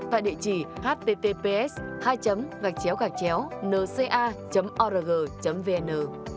tại địa chỉ https hai nca org vn